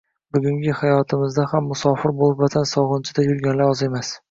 Bugungi hayotmizda ham musofir bo‘lib vatan sog‘inchida yurganlar oz emas